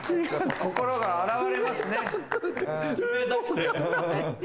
心が洗われますね。